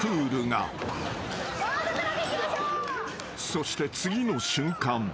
［そして次の瞬間］